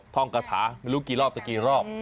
ท่องกระถาไม่รู้กี่รอบแต่กี่รอบ